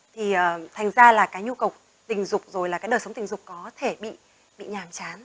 thì thành ra là cái nhu cầu tình dục rồi là cái đời sống tình dục có thể bị nhàm chán